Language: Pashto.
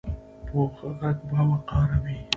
پوخ غږ باوقاره وي